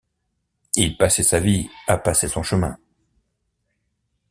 Il passait sa vie à passer son chemin.